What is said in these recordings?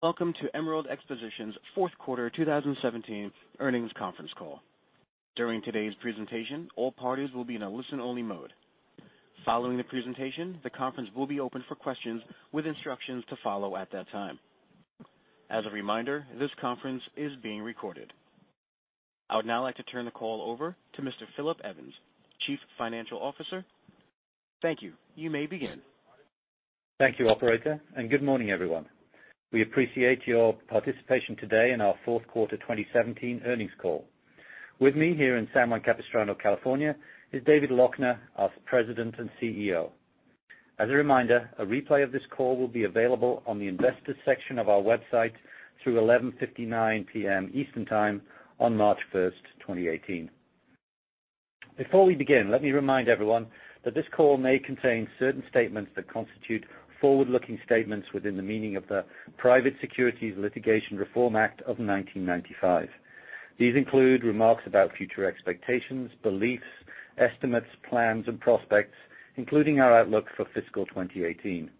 Welcome to Emerald Expositions's fourth quarter 2017 earnings conference call. During today's presentation, all parties will be in a listen-only mode. Following the presentation, the conference will be open for questions with instructions to follow at that time. As a reminder, this conference is being recorded. I would now like to turn the call over to Mr. Philip Evans, Chief Financial Officer. Thank you. You may begin. Thank you, operator. Good morning, everyone. We appreciate your participation today in our fourth quarter 2017 earnings call. With me here in San Juan Capistrano, California, is David Loechner, our President and CEO. As a reminder, a replay of this call will be available on the investors section of our website through 11:59 P.M. Eastern Time on March first, 2018. Before we begin, let me remind everyone that this call may contain certain statements that constitute forward-looking statements within the meaning of the Private Securities Litigation Reform Act of 1995. These include remarks about future expectations, beliefs, estimates, plans, and prospects, including our outlook for fiscal 2018.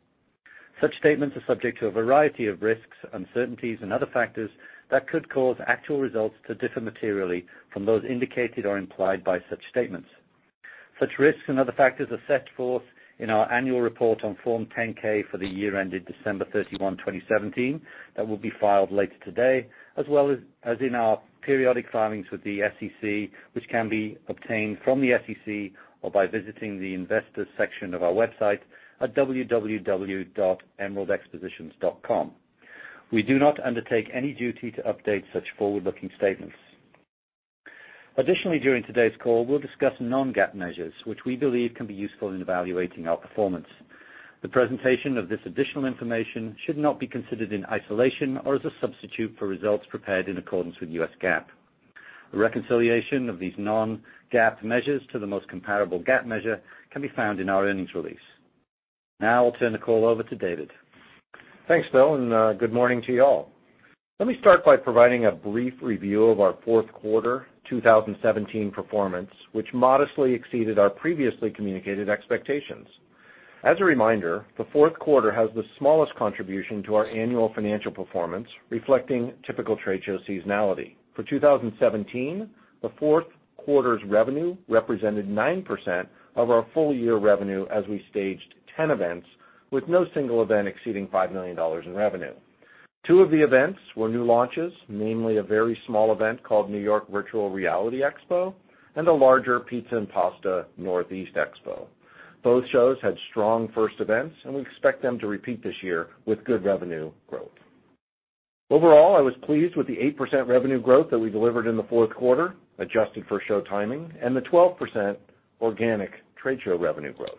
Such statements are subject to a variety of risks, uncertainties, and other factors that could cause actual results to differ materially from those indicated or implied by such statements. Such risks and other factors are set forth in our annual report on Form 10-K for the year ended December 31, 2017, that will be filed later today, as well as in our periodic filings with the SEC, which can be obtained from the SEC or by visiting the investors section of our website at www.emeraldexpositions.com. We do not undertake any duty to update such forward-looking statements. Additionally, during today's call, we'll discuss non-GAAP measures, which we believe can be useful in evaluating our performance. The presentation of this additional information should not be considered in isolation or as a substitute for results prepared in accordance with U.S. GAAP. A reconciliation of these non-GAAP measures to the most comparable GAAP measure can be found in our earnings release. I'll turn the call over to David. Thanks, Phil. Good morning to you all. Let me start by providing a brief review of our fourth quarter 2017 performance, which modestly exceeded our previously communicated expectations. As a reminder, the fourth quarter has the smallest contribution to our annual financial performance, reflecting typical trade show seasonality. For 2017, the fourth quarter's revenue represented 9% of our full year revenue as we staged 10 events, with no single event exceeding $5 million in revenue. Two of the events were new launches, namely a very small event called New York Virtual Reality Expo and the larger Pizza & Pasta Northeast Expo. Both shows had strong first events. We expect them to repeat this year with good revenue growth. Overall, I was pleased with the 8% revenue growth that we delivered in the fourth quarter, adjusted for show timing, and the 12% organic trade show revenue growth.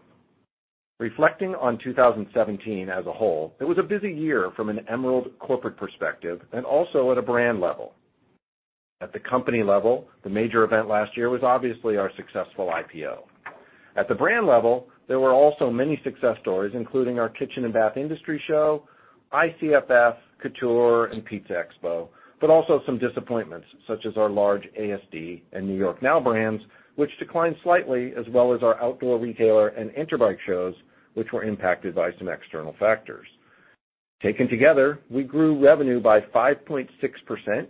Reflecting on 2017 as a whole, it was a busy year from an Emerald corporate perspective and also at a brand level. At the company level, the major event last year was obviously our successful IPO. At the brand level, there were also many success stories, including our Kitchen & Bath Industry Show, ICFF, COUTURE, and Pizza Expo, but also some disappointments, such as our large ASD and NY NOW brands, which declined slightly, as well as our Outdoor Retailer and Interbike shows, which were impacted by some external factors. Taken together, we grew revenue by 5.6%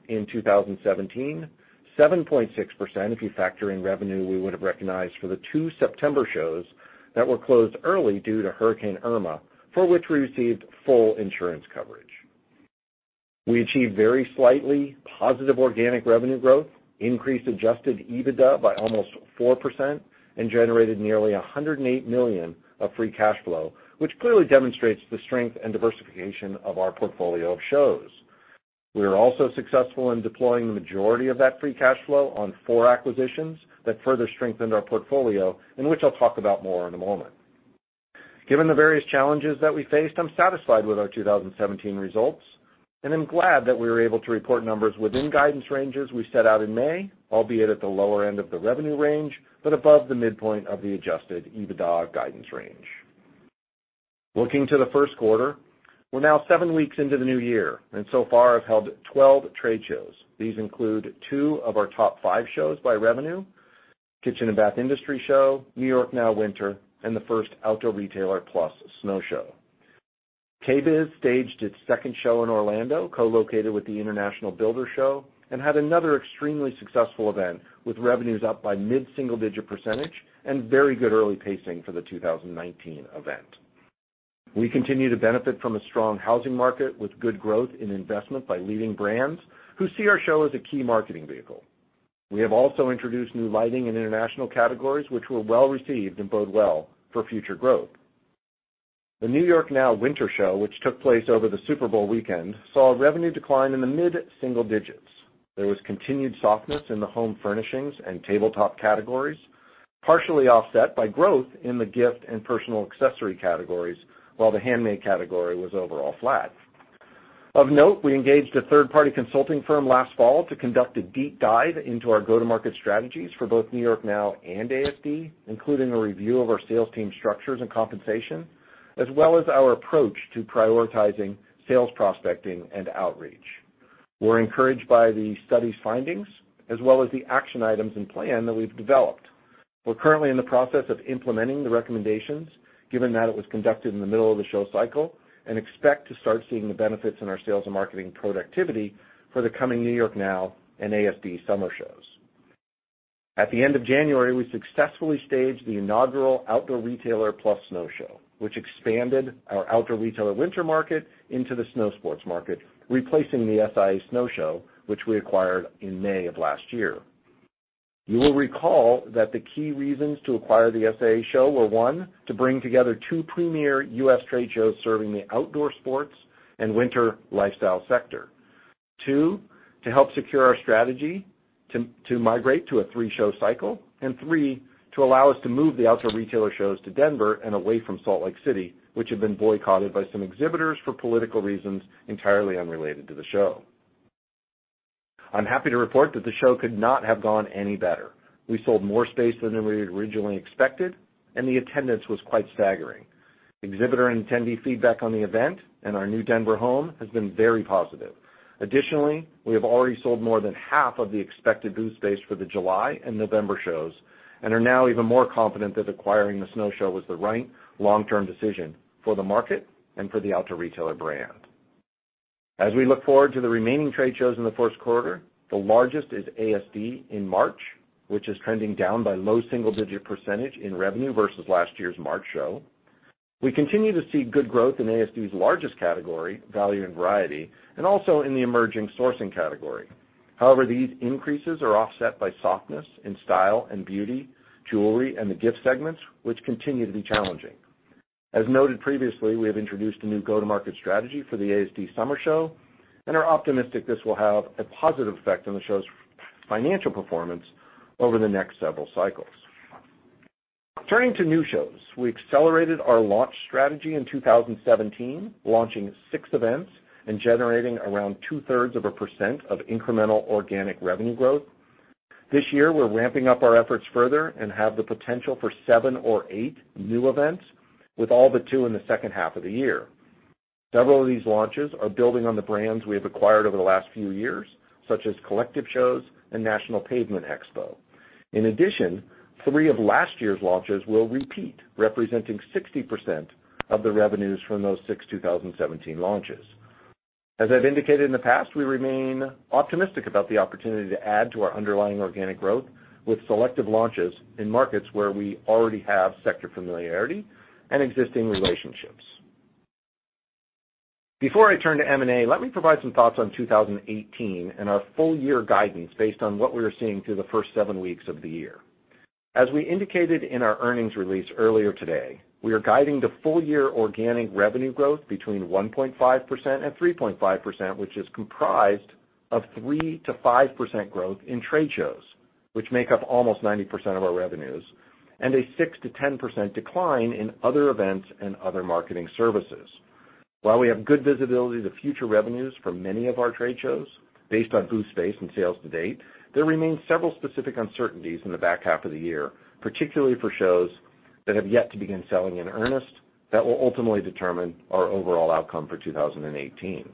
in 2017, 7.6% if you factor in revenue we would have recognized for the two September shows that were closed early due to Hurricane Irma, for which we received full insurance coverage. We achieved very slightly positive organic revenue growth, increased adjusted EBITDA by almost 4%, and generated nearly $108 million of free cash flow, which clearly demonstrates the strength and diversification of our portfolio of shows. We were also successful in deploying the majority of that free cash flow on four acquisitions that further strengthened our portfolio and which I'll talk about more in a moment. Given the various challenges that we faced, I'm satisfied with our 2017 results, and I'm glad that we were able to report numbers within guidance ranges we set out in May, albeit at the lower end of the revenue range, but above the midpoint of the adjusted EBITDA guidance range. Looking to the first quarter, we're now seven weeks into the new year, and so far have held 12 trade shows. These include two of our top five shows by revenue, Kitchen & Bath Industry Show, NY NOW Winter, and the first Outdoor Retailer + Snow Show. KBIS staged its second show in Orlando, co-located with the International Builders' Show, and had another extremely successful event with revenues up by mid-single digit percentage and very good early pacing for the 2019 event. We continue to benefit from a strong housing market with good growth in investment by leading brands who see our show as a key marketing vehicle. We have also introduced new lighting in international categories, which were well-received and bode well for future growth. The NY NOW Winter show, which took place over the Super Bowl weekend, saw a revenue decline in the mid-single digits. There was continued softness in the home furnishings and tabletop categories, partially offset by growth in the gift and personal accessory categories, while the handmade category was overall flat. Of note, we engaged a third-party consulting firm last fall to conduct a deep dive into our go-to-market strategies for both NY NOW and ASD, including a review of our sales team structures and compensation, as well as our approach to prioritizing sales prospecting and outreach. We're encouraged by the study's findings as well as the action items and plan that we've developed. We're currently in the process of implementing the recommendations, given that it was conducted in the middle of the show cycle, and expect to start seeing the benefits in our sales and marketing productivity for the coming NY NOW and ASD summer shows. At the end of January, we successfully staged the inaugural Outdoor Retailer + Snow Show, which expanded our Outdoor Retailer winter market into the snow sports market, replacing the SIA Snow Show, which we acquired in May of last year. You will recall that the key reasons to acquire the SIA show were, 1, to bring together 2 premier U.S. trade shows serving the outdoor sports and winter lifestyle sector. 2, to help secure our strategy to migrate to a 3-show cycle. 3, to allow us to move the Outdoor Retailer shows to Denver and away from Salt Lake City, which had been boycotted by some exhibitors for political reasons entirely unrelated to the show. I'm happy to report that the show could not have gone any better. We sold more space than we had originally expected, and the attendance was quite staggering. Exhibitor and attendee feedback on the event and our new Denver home has been very positive. Additionally, we have already sold more than half of the expected booth space for the July and November shows and are now even more confident that acquiring the Snow Show was the right long-term decision for the market and for the Outdoor Retailer brand. As we look forward to the remaining trade shows in the first quarter, the largest is ASD in March, which is trending down by low single-digit % in revenue versus last year's March show. We continue to see good growth in ASD's largest category, value and variety, and also in the emerging sourcing category. However, these increases are offset by softness in style and beauty, jewelry, and the gift segments, which continue to be challenging. As noted previously, we have introduced a new go-to-market strategy for the ASD summer show, and are optimistic this will have a positive effect on the show's financial performance over the next several cycles. Turning to new shows, we accelerated our launch strategy in 2017, launching 6 events and generating around two-thirds of a % of incremental organic revenue growth. This year, we're ramping up our efforts further and have the potential for 7 or 8 new events, with all but 2 in the second half of the year. Several of these launches are building on the brands we have acquired over the last few years, such as Collective Shows and National Pavement Expo. In addition, 3 of last year's launches will repeat, representing 60% of the revenues from those 6 2017 launches. As I've indicated in the past, we remain optimistic about the opportunity to add to our underlying organic growth with selective launches in markets where we already have sector familiarity and existing relationships. Before I turn to M&A, let me provide some thoughts on 2018 and our full year guidance based on what we are seeing through the first 7 weeks of the year. As we indicated in our earnings release earlier today, we are guiding the full year organic revenue growth between 1.5% and 3.5%, which is comprised of 3% to 5% growth in trade shows, which make up almost 90% of our revenues, and a 6% to 10% decline in other events and other marketing services. While we have good visibility to future revenues for many of our trade shows based on booth space and sales to date, there remain several specific uncertainties in the back half of the year, particularly for shows that have yet to begin selling in earnest, that will ultimately determine our overall outcome for 2018.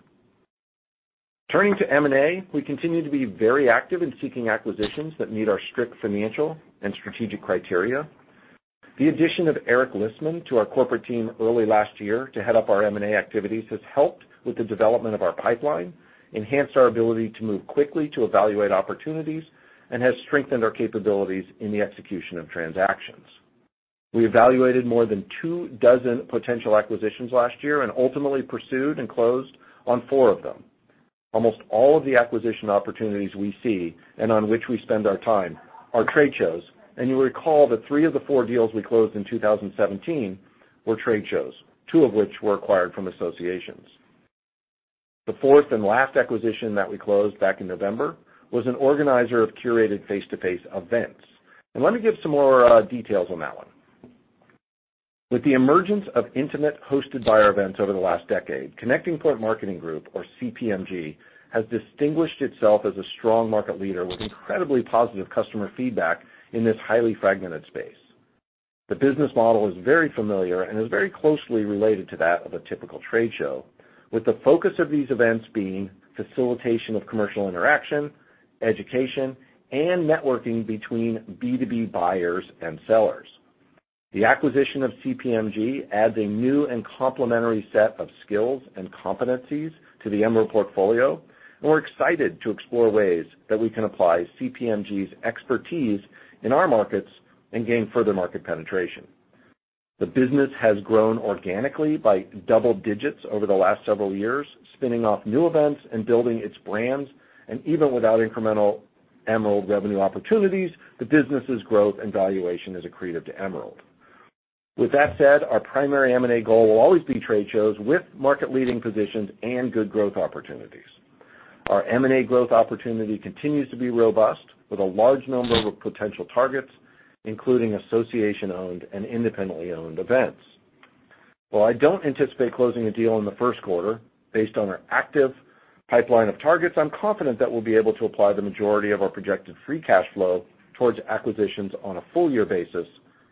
Turning to M&A, we continue to be very active in seeking acquisitions that meet our strict financial and strategic criteria. The addition of Eric Lisman to our corporate team early last year to head up our M&A activities has helped with the development of our pipeline, enhanced our ability to move quickly to evaluate opportunities, and has strengthened our capabilities in the execution of transactions. We evaluated more than 2 dozen potential acquisitions last year and ultimately pursued and closed on four of them. Almost all of the acquisition opportunities we see and on which we spend our time are trade shows. You'll recall that three of the four deals we closed in 2017 were trade shows, two of which were acquired from associations. The fourth and last acquisition that we closed back in November was an organizer of curated face-to-face events, and let me give some more details on that one. With the emergence of intimate hosted buyer events over the last decade, Connecting Point Marketing Group, or CPMG, has distinguished itself as a strong market leader with incredibly positive customer feedback in this highly fragmented space. The business model is very familiar and is very closely related to that of a typical trade show, with the focus of these events being facilitation of commercial interaction, education, and networking between B2B buyers and sellers. The acquisition of CPMG adds a new and complementary set of skills and competencies to the Emerald portfolio, and we're excited to explore ways that we can apply CPMG's expertise in our markets and gain further market penetration. The business has grown organically by double digits over the last several years, spinning off new events and building its brands. Even without incremental Emerald revenue opportunities, the business' growth and valuation is accretive to Emerald. With that said, our primary M&A goal will always be trade shows with market-leading positions and good growth opportunities. Our M&A growth opportunity continues to be robust with a large number of potential targets, including association-owned and independently owned events. While I don't anticipate closing a deal in the first quarter, based on our active pipeline of targets, I'm confident that we'll be able to apply the majority of our projected free cash flow towards acquisitions on a full year basis,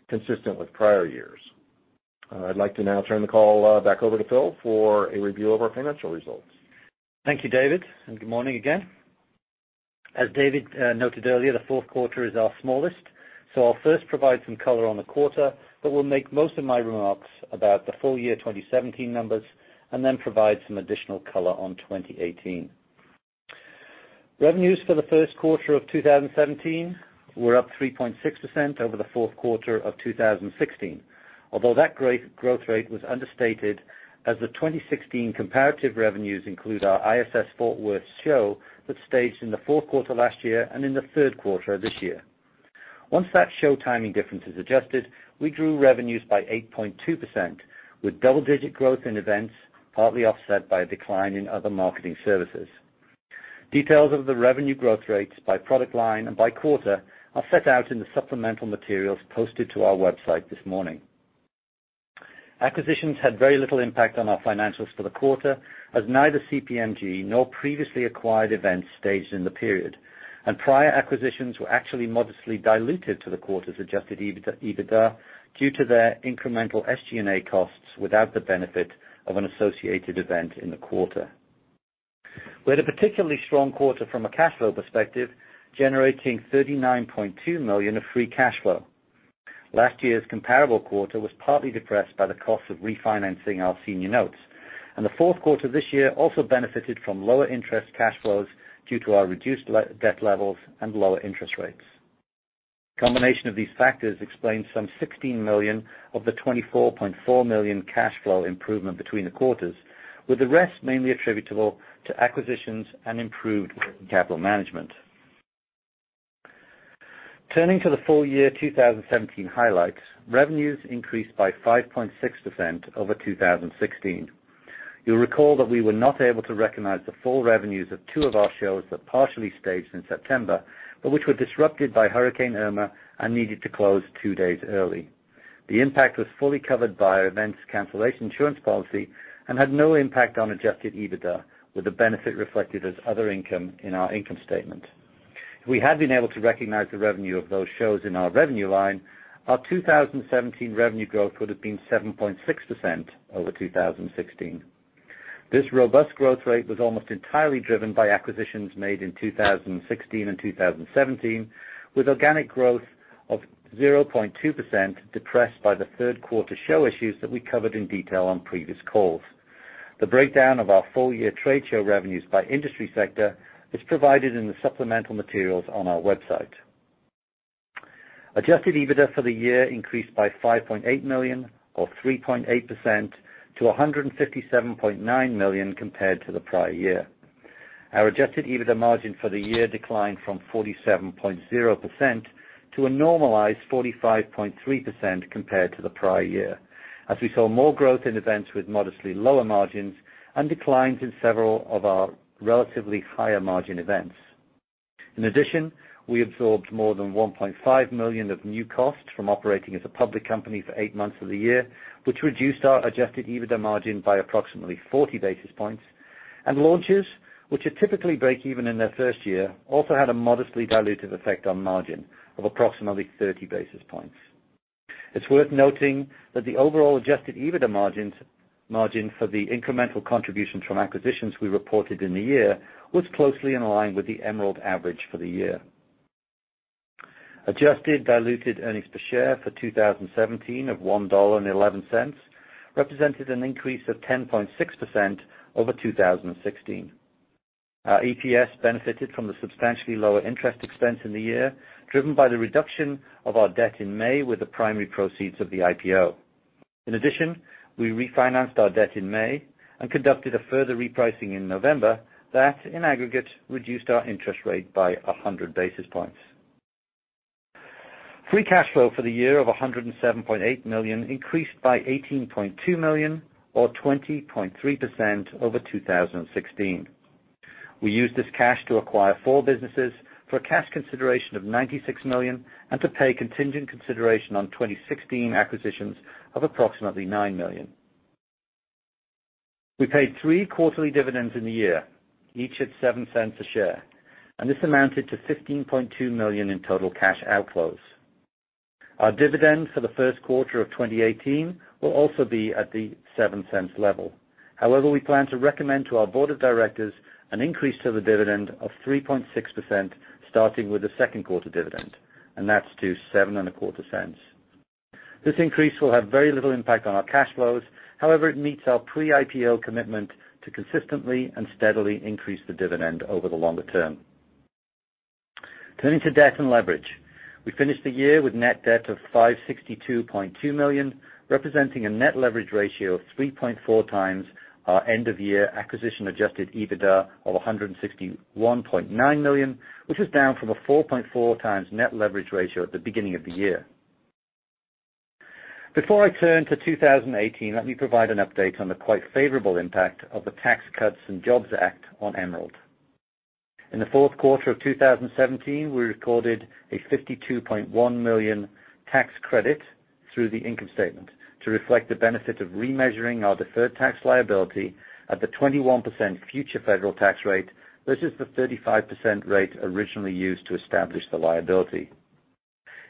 consistent with prior years. I'd like to now turn the call back over to Phil for a review of our financial results. Thank you, David, and good morning again. As David noted earlier, the fourth quarter is our smallest. I'll first provide some color on the quarter, will make most of my remarks about the full year 2017 numbers, provide some additional color on 2018. Revenues for the first quarter of 2017 were up 3.6% over the fourth quarter of 2016. Although that growth rate was understated as the 2016 comparative revenues include our ISS Fort Worth show that staged in the fourth quarter last year and in the third quarter of this year. Once that show timing difference is adjusted, we grew revenues by 8.2% with double-digit growth in events, partly offset by a decline in other marketing services. Details of the revenue growth rates by product line and by quarter are set out in the supplemental materials posted to our website this morning. Acquisitions had very little impact on our financials for the quarter, as neither CPMG nor previously acquired events staged in the period. Prior acquisitions were actually modestly diluted to the quarter's adjusted EBITDA due to their incremental SG&A costs without the benefit of an associated event in the quarter. We had a particularly strong quarter from a cash flow perspective, generating $39.2 million of free cash flow. Last year's comparable quarter was partly depressed by the cost of refinancing our senior notes. The fourth quarter this year also benefited from lower interest cash flows due to our reduced debt levels and lower interest rates. Combination of these factors explains some $16 million of the $24.4 million cash flow improvement between the quarters, with the rest mainly attributable to acquisitions and improved working capital management. Turning to the full year 2017 highlights, revenues increased by 5.6% over 2016. You'll recall that we were not able to recognize the full revenues of two of our shows that partially staged in September, which were disrupted by Hurricane Irma, needed to close two days early. The impact was fully covered by our events cancellation insurance policy and had no impact on adjusted EBITDA, with the benefit reflected as other income in our income statement. If we had been able to recognize the revenue of those shows in our revenue line, our 2017 revenue growth would've been 7.6% over 2016. This robust growth rate was almost entirely driven by acquisitions made in 2016 and 2017, with organic growth of 0.2% depressed by the third quarter show issues that we covered in detail on previous calls. The breakdown of our full-year trade show revenues by industry sector is provided in the supplemental materials on our website. Adjusted EBITDA for the year increased by $5.8 million or 3.8% to $157.9 million compared to the prior year. Our adjusted EBITDA margin for the year declined from 47.0% to a normalized 45.3% compared to the prior year, as we saw more growth in events with modestly lower margins and declines in several of our relatively higher margin events. We absorbed more than $1.5 million of new costs from operating as a public company for eight months of the year, which reduced our adjusted EBITDA margin by approximately 40 basis points. Launches, which are typically break even in their first year, also had a modestly dilutive effect on margin of approximately 30 basis points. It's worth noting that the overall adjusted EBITDA margin for the incremental contributions from acquisitions we reported in the year was closely in line with the Emerald average for the year. Adjusted diluted earnings per share for 2017 of $1.11 represented an increase of 10.6% over 2016. Our EPS benefited from the substantially lower interest expense in the year, driven by the reduction of our debt in May with the primary proceeds of the IPO. In addition, we refinanced our debt in May and conducted a further repricing in November that, in aggregate, reduced our interest rate by 100 basis points. Free cash flow for the year of $107.8 million increased by $18.2 million or 20.3% over 2016. We used this cash to acquire four businesses for a cash consideration of $96 million and to pay contingent consideration on 2016 acquisitions of approximately $9 million. We paid three quarterly dividends in the year, each at $0.07 a share, and this amounted to $15.2 million in total cash outflows. Our dividend for the first quarter of 2018 will also be at the $0.07 level. However, we plan to recommend to our board of directors an increase to the dividend of 3.6% starting with the second quarter dividend, and that's to $0.0725. This increase will have very little impact on our cash flows. However, it meets our pre-IPO commitment to consistently and steadily increase the dividend over the longer term. Turning to debt and leverage. We finished the year with net debt of $562.2 million, representing a net leverage ratio of 3.4 times our end of year acquisition adjusted EBITDA of $161.9 million, which is down from a 4.4 times net leverage ratio at the beginning of the year. Before I turn to 2018, let me provide an update on the quite favorable impact of the Tax Cuts and Jobs Act on Emerald. In the fourth quarter of 2017, we recorded a $52.1 million tax credit through the income statement to reflect the benefit of remeasuring our deferred tax liability at the 21% future federal tax rate versus the 35% rate originally used to establish the liability.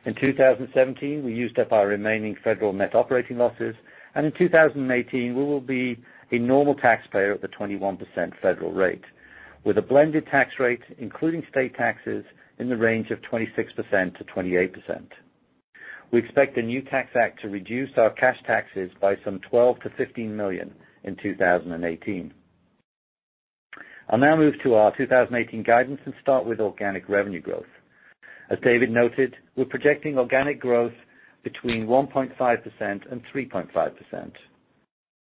In 2017, we used up our remaining federal net operating losses. In 2018, we will be a normal taxpayer at the 21% federal rate, with a blended tax rate, including state taxes, in the range of 26%-28%. We expect the new tax act to reduce our cash taxes by some $12 million to $15 million in 2018. I'll now move to our 2018 guidance and start with organic revenue growth. As David noted, we're projecting organic growth between 1.5% and 3.5%.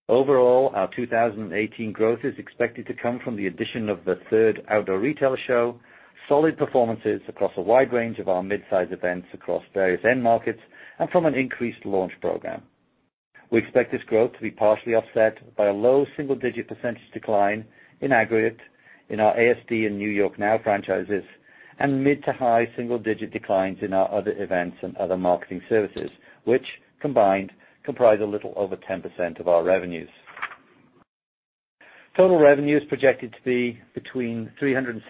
Overall, our 2018 growth is expected to come from the addition of the third Outdoor Retailer show, solid performances across a wide range of our mid-size events across various end markets, and from an increased launch program. We expect this growth to be partially offset by a low single-digit percentage decline in aggregate in our ASD and NY NOW franchises and mid to high single-digit declines in our other events and other marketing services, which combined comprise a little over 10% of our revenues. Total revenue is projected to be between $367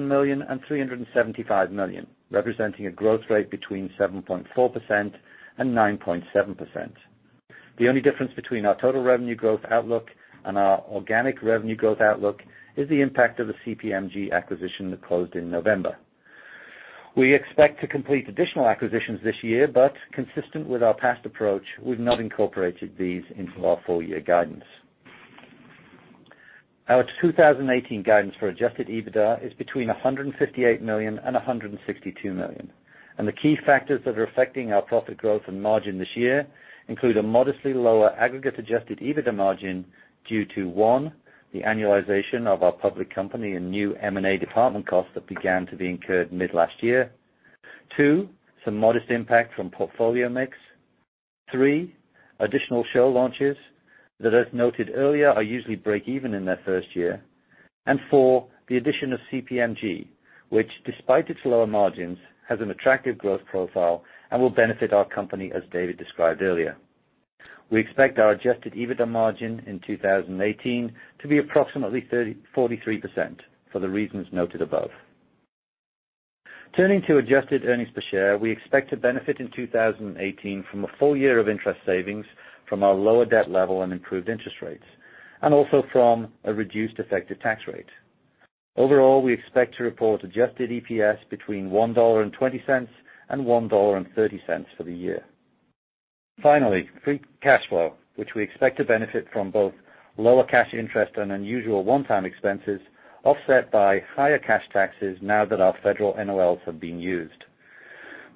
million and $375 million, representing a growth rate between 7.4% and 9.7%. The only difference between our total revenue growth outlook and our organic revenue growth outlook is the impact of the CPMG acquisition that closed in November. We expect to complete additional acquisitions this year. Consistent with our past approach, we've not incorporated these into our full-year guidance. Our 2018 guidance for adjusted EBITDA is between $158 million and $162 million. The key factors that are affecting our profit growth and margin this year include a modestly lower aggregate adjusted EBITDA margin due to, one, the annualization of our public company and new M&A department costs that began to be incurred mid last year. Two, some modest impact from portfolio mix. Three, additional show launches that, as noted earlier, are usually breakeven in their first year. Four, the addition of CPMG, which despite its lower margins has an attractive growth profile and will benefit our company as David described earlier. We expect our adjusted EBITDA margin in 2018 to be approximately 43% for the reasons noted above. Turning to adjusted earnings per share, we expect to benefit in 2018 from a full year of interest savings from our lower debt level and improved interest rates, and also from a reduced effective tax rate. Overall, we expect to report adjusted EPS between $1.20 and $1.30 for the year. Finally, we expect free cash flow to benefit from both lower cash interest and unusual one-time expenses offset by higher cash taxes now that our federal NOLs have been used.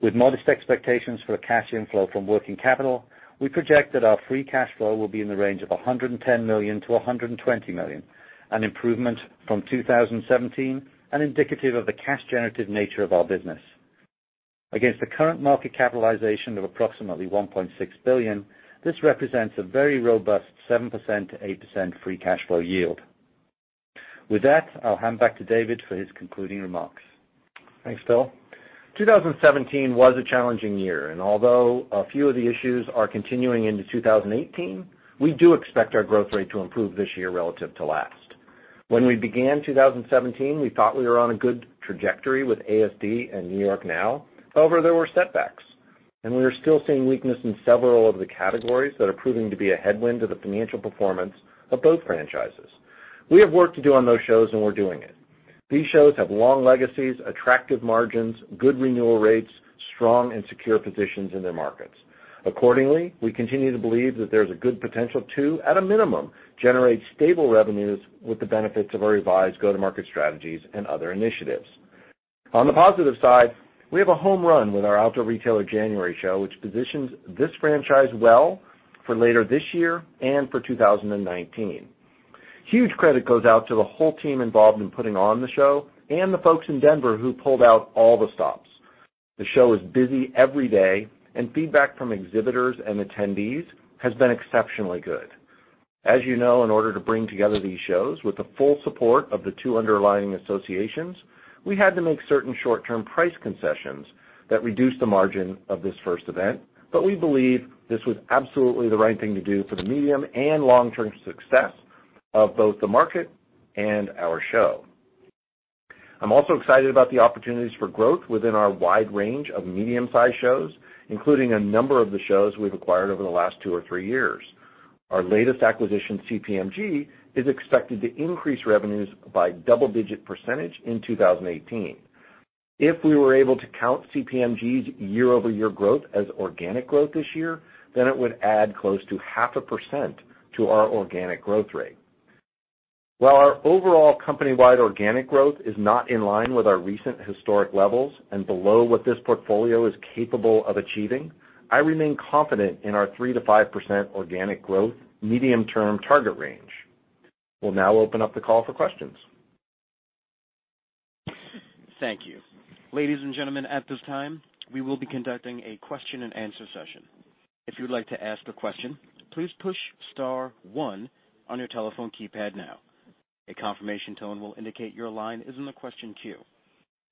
With modest expectations for cash inflow from working capital, we project that our free cash flow will be in the range of $110 million-$120 million, an improvement from 2017 and indicative of the cash-generative nature of our business. Against the current market capitalization of approximately $1.6 billion, this represents a very robust 7%-8% free cash flow yield. With that, I'll hand back to David for his concluding remarks. Thanks, Phillip. 2017 was a challenging year. Although a few of the issues are continuing into 2018, we do expect our growth rate to improve this year relative to last. When we began 2017, we thought we were on a good trajectory with ASD and NY NOW. However, there were setbacks, and we are still seeing weakness in several of the categories that are proving to be a headwind to the financial performance of both franchises. We have work to do on those shows. We're doing it. These shows have long legacies, attractive margins, good renewal rates, strong and secure positions in their markets. Accordingly, we continue to believe that there's a good potential to, at a minimum, generate stable revenues with the benefits of our revised go-to-market strategies and other initiatives. On the positive side, we have a home run with our Outdoor Retailer + Snow Show, which positions this franchise well for later this year and for 2019. Huge credit goes out to the whole team involved in putting on the show and the folks in Denver who pulled out all the stops. The show is busy every day, and feedback from exhibitors and attendees has been exceptionally good. As you know, in order to bring together these shows with the full support of the two underlying associations, we had to make certain short-term price concessions that reduced the margin of this first event. We believe this was absolutely the right thing to do for the medium and long-term success of both the market and our show. I'm also excited about the opportunities for growth within our wide range of medium-sized shows, including a number of the shows we've acquired over the last two or three years. Our latest acquisition, CPMG, is expected to increase revenues by double-digit % in 2018. If we were able to count CPMG's year-over-year growth as organic growth this year, it would add close to half a % to our organic growth rate. While our overall company-wide organic growth is not in line with our recent historic levels and below what this portfolio is capable of achieving, I remain confident in our 3%-5% organic growth medium-term target range. We'll now open up the call for questions. Thank you. Ladies and gentlemen, at this time, we will be conducting a question and answer session. If you would like to ask a question, please push star one on your telephone keypad now. A confirmation tone will indicate your line is in the question queue.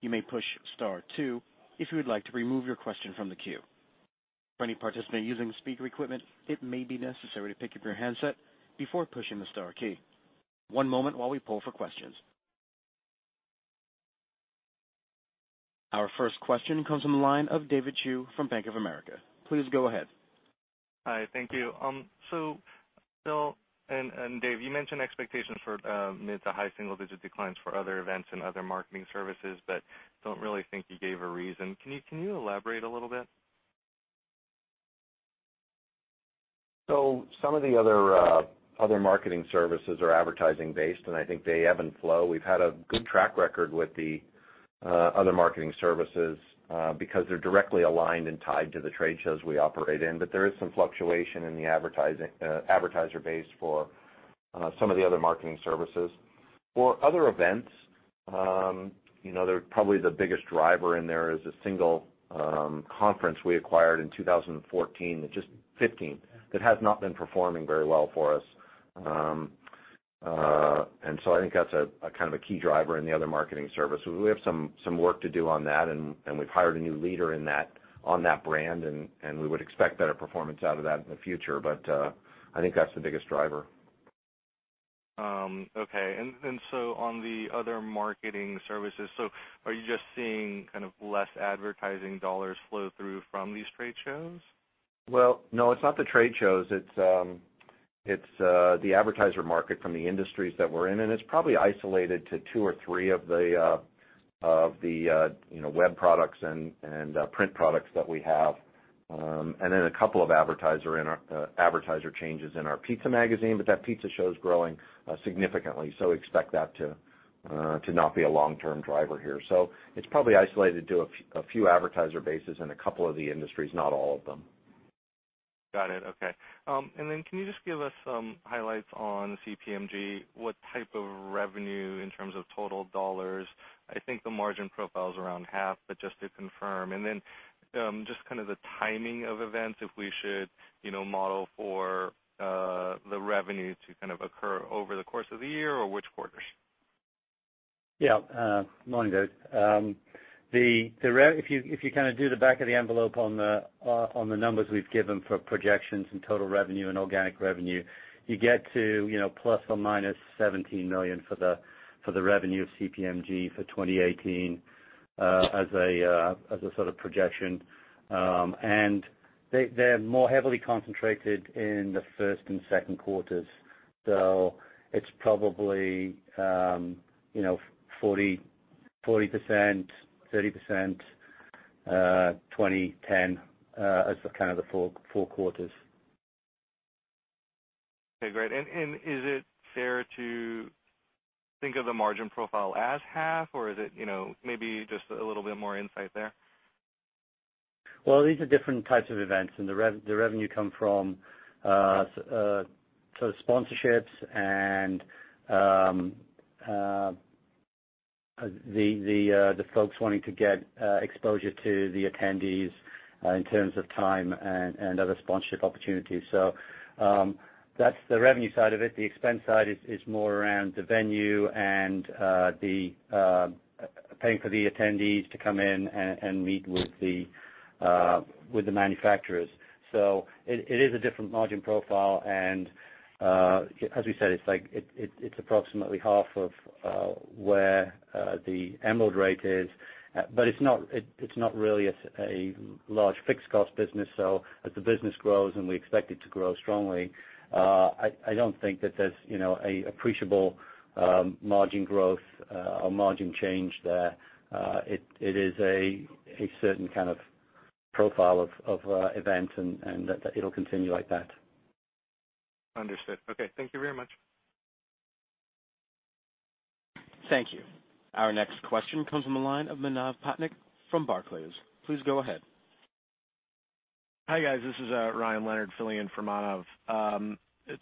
You may push star two if you would like to remove your question from the queue. For any participant using speaker equipment, it may be necessary to pick up your handset before pushing the star key. One moment while we poll for questions. Our first question comes from the line of David Yu from Bank of America. Please go ahead. Hi. Thank you. Philip and David, you mentioned expectations for mid to high single-digit declines for other events and other marketing services, but don't really think you gave a reason. Can you elaborate a little bit? Some of the other marketing services are advertising based, and I think they ebb and flow. We've had a good track record with the other marketing services because they're directly aligned and tied to the trade shows we operate in. There is some fluctuation in the advertiser base for some of the other marketing services. For other events, probably the biggest driver in there is a single conference we acquired in 2014, just 2015, that has not been performing very well for us. I think that's a kind of a key driver in the other marketing service. We have some work to do on that, and we've hired a new leader on that brand, and we would expect better performance out of that in the future. I think that's the biggest driver. Okay. On the other marketing services, so are you just seeing kind of less advertising dollars flow through from these trade shows? Well, no, it's not the trade shows. It's the advertiser market from the industries that we're in, and it's probably isolated to two or three of the web products and print products that we have. A couple of advertiser changes in our Pizza magazine, but that Pizza show is growing significantly, so expect that to not be a long-term driver here. It's probably isolated to a few advertiser bases in a couple of the industries, not all of them. Got it. Okay. Can you just give us some highlights on CPMG? What type of revenue in terms of total dollars? I think the margin profile is around half, but just to confirm. Just kind of the timing of events, if we should model for the revenue to kind of occur over the course of the year or which quarters? Yeah. Morning, guys. If you kind of do the back of the envelope on the numbers we've given for projections and total revenue and organic revenue, you get to ±$17 million for the revenue of CPMG for 2018 as a sort of projection. They're more heavily concentrated in the first and second quarters. It's probably 40%, 30%, 20%, 10% as kind of the four quarters. Okay, great. Is it fair to think of the margin profile as half, or is it maybe just a little bit more insight there? Well, these are different types of events, and the revenue come from sort of sponsorships and the folks wanting to get exposure to the attendees in terms of time and other sponsorship opportunities. That's the revenue side of it. The expense side is more around the venue and paying for the attendees to come in and meet with the manufacturers. It is a different margin profile and, as we said, it's approximately half of where the Emerald rate is. It's not really a large fixed cost business, as the business grows, we expect it to grow strongly, I don't think that there's an appreciable margin growth or margin change there. It is a certain kind of profile of event, and it'll continue like that. Understood. Okay. Thank you very much. Thank you. Our next question comes from the line of Manav Patnaik from Barclays. Please go ahead. Hi, guys. This is Ryan Leonard filling in for Manav.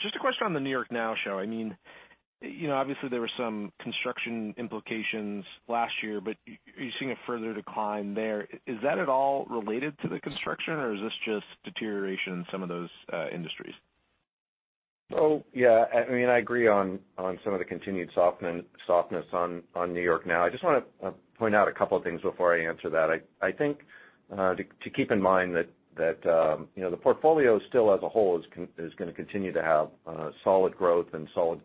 Just a question on the NY NOW Show. Obviously, there were some construction implications last year, are you seeing a further decline there? Is that at all related to the construction, or is this just deterioration in some of those industries? Yeah. I agree on some of the continued softness on NY NOW. I just want to point out a couple of things before I answer that. I think to keep in mind that the portfolio still as a whole is going to continue to have solid growth and solid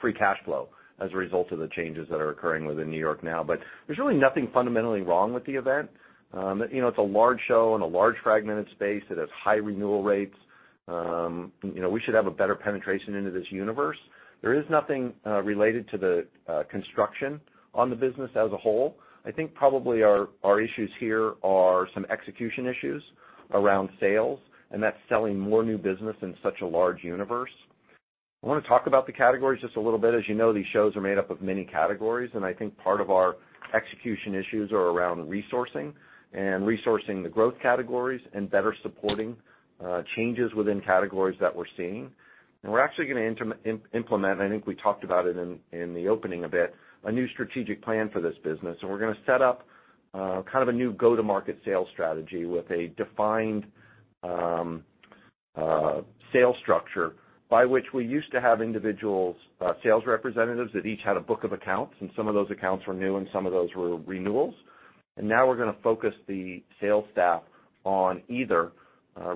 free cash flow as a result of the changes that are occurring within NY NOW. There's really nothing fundamentally wrong with the event. It's a large show and a large fragmented space. It has high renewal rates. We should have a better penetration into this universe. There is nothing related to the construction on the business as a whole. I think probably our issues here are some execution issues around sales, and that's selling more new business in such a large universe. I want to talk about the categories just a little bit. As you know, these shows are made up of many categories, and I think part of our execution issues are around resourcing and resourcing the growth categories and better supporting changes within categories that we're seeing. We're actually going to implement, and I think we talked about it in the opening a bit, a new strategic plan for this business, and we're going to set up kind of a new go-to-market sales strategy with a defined sales structure by which we used to have individual sales representatives that each had a book of accounts, and some of those accounts were new, and some of those were renewals. Now we're going to focus the sales staff on either